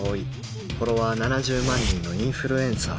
フォロワー７０万人のインフルエンサー